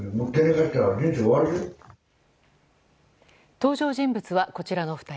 登場人物はこちらの２人。